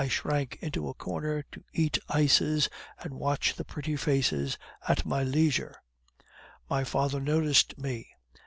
I shrank into a corner to eat ices and watch the pretty faces at my leisure. My father noticed me.